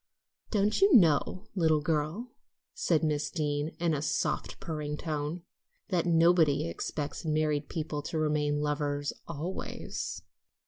"Don't you know, little girl," said Miss Deane in a soft, purring tone, "that nobody expects married people to remain lovers always?"